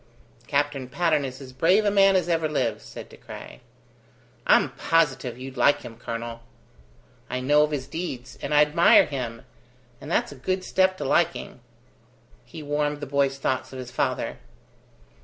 "Captain Patterne is as brave a man as ever lived," said De Craye. "I'm positive you'd like him, colonel." "I know of his deeds, and I admire him, and that's a good step to liking." He warmed the boy's thoughts of his father.